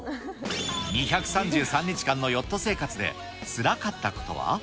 ２３３日間のヨット生活でつらかったことは？